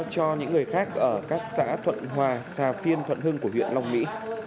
cơ quan chức năng chứng minh đưa ra cho những người khác ở các xã thuận hòa xà phiên thuận hưng của huyện long mỹ